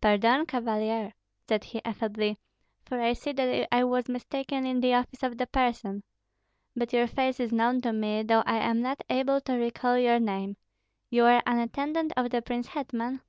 "Pardon, Cavalier," said he, affably, "for I see that I was mistaken in the office of the person. But your face is known to me, though I am not able to recall your name. You are an attendant of the prince hetman?"